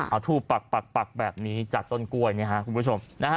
เอาทู่ปักแบบนี้จากต้นกล้วยนะครับคุณผู้ชม